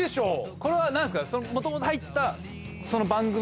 これは何すか？